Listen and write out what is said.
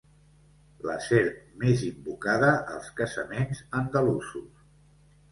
La serp més invocada als casaments andalusos.